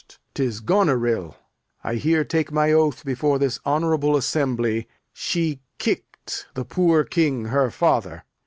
'Tis Goneril. I here take my oath before this honourable assembly, she kicked the poor King her father.